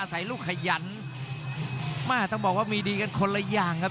ใส่ลูกขยันมาต้องบอกว่ามีดีกันคนละอย่างครับ